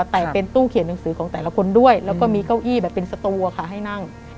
แต่เป็นตู้เขียนหนังสือของแต่ละคนด้วยแล้วก็มีเก้าอี้แบบเป็นสตูอะค่ะให้นั่ง